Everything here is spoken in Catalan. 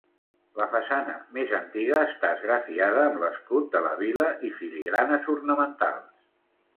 La façana més antiga està esgrafiada amb l'escut de la vila i filigranes ornamentals.